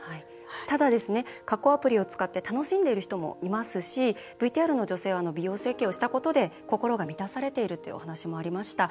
ただ、加工アプリを使って楽しんでいる人もいますしＶＴＲの女性は美容整形をしたことで心が満たされているというお話もありました。